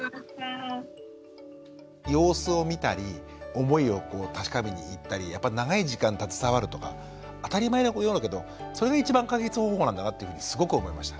様子を見たり思いを確かめに行ったりやっぱ長い時間携わるとか当たり前のようだけどそれが一番解決方法なんだなっていうふうにすごく思いました。